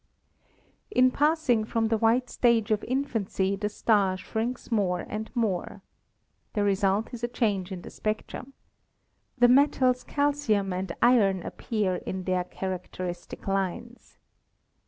In passing from the white stage of infancy the star shrinks more and more. The result is a change in the spectrum. The metals calcium and iron appear in their characteristic lines.